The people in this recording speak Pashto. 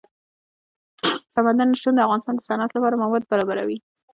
سمندر نه شتون د افغانستان د صنعت لپاره مواد برابروي.